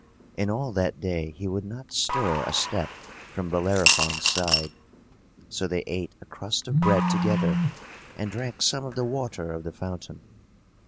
And all that day he would not stir a step from Bellerophon's side; so they ate a crust of bread together, and drank some of the water of the fountain.